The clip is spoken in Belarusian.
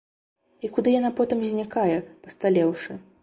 І куды яна потым знікае, пасталеўшы?